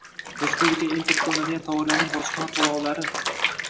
Respublikaga import qilinadigan tovarlarning bojxona to’lovlarini